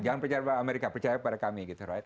jangan percaya pada amerika percaya pada kami